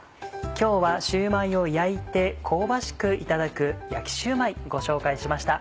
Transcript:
今日はシューマイを焼いて香ばしくいただく「焼きシューマイ」ご紹介しました。